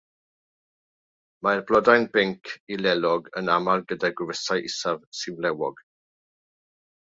Mae'r blodau'n binc i lelog yn aml gyda gwefusau isaf sy'n flewog.